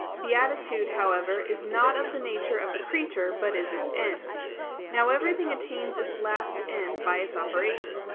Beatitude, however, is not of the nature of the creature, but is its end. Now everything attains its last end by its operation.